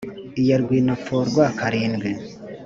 Iya rwinopforwa karindwi,